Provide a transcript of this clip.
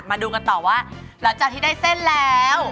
มาดูกันต่อว่าหลังจากที่ได้เส้นแล้ว